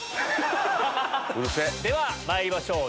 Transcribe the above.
ではまいりましょう。